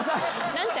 何て？